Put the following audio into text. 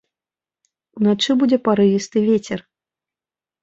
Уначы будзе парывісты вецер.